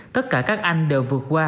tất cả các anh đều vượt qua